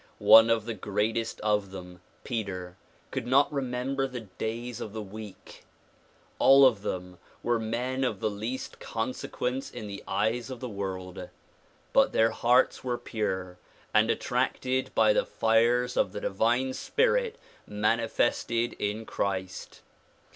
One of the greatest of them, Peter, could not remember the days of the week. All of them were men of the least consequence in the eyes of the world. But their hearts were pure and attracted by the fires of the divine spirit manifested in Christ.